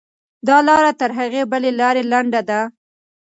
دا لاره تر هغې بلې لارې لنډه ده.